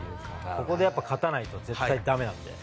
ここで勝たないと絶対にだめなので。